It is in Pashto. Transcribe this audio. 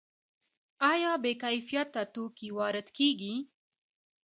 آیا بې کیفیته توکي وارد کیږي؟